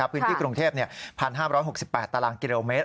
พื้นที่กรุงเทพฯ๑๕๖๘ตารางกิโลเมตร